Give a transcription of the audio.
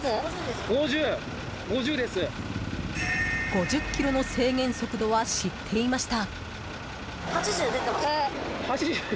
５０キロの制限速度は知っていました。